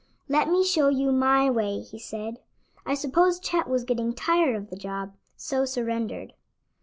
"Let me show you my way," he said. I suppose Chet was getting tired of the job, so surrendered.